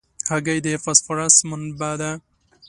هګۍ د فاسفورس منبع ده.